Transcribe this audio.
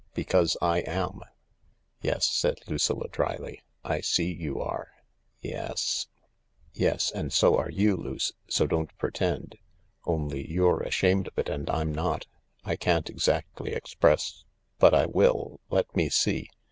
Because I am." " Yes," said Lucilla dryly. " I see you are. Yes." " Yes — and so are you, Luce, so don't pretend I Only you're ashamed of it and I'm not I I can't exactly express ... but I will ... Let me see.